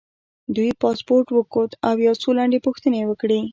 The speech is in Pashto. دوی پاسپورټ وکوت او یو څو لنډې پوښتنې یې وکړې.